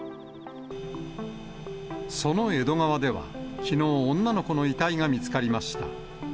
その江戸川では、きのう、女の子の遺体が見つかりました。